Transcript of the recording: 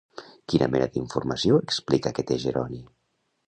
Quina mena d'informació explica que té Jeroni?